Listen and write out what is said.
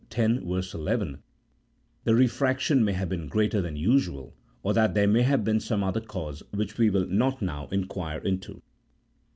11), the refraction may have been greater than usual, or that there may have been some other cause which we will not now in quire into.